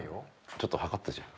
ちょっと量ってじゃあ。